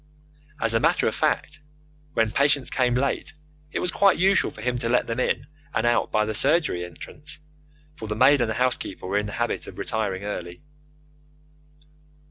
As a matter of fact, when patients came late it was quite usual for him to let them in and out by the surgery entrance, for the maid and the housekeeper were in the habit of retiring early.